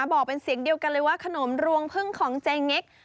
บอกเป็นเสียงเดียวกันเลยว่าขนมรวงพึ่งของเจเง็ก